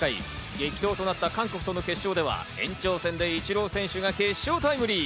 激闘となった韓国との決勝では延長戦でイチロー選手が決勝タイムリー。